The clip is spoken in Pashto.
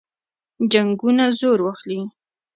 جنګونه زور واخلي.